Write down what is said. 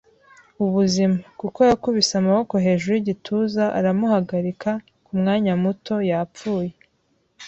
ubuzima, kuko yakubise Amaboko hejuru yigituza aramuhagarika, kumwanya muto, yapfuye.